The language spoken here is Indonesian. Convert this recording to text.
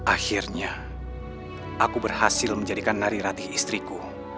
akhirnya aku berhasil menjadikan nariratih istriku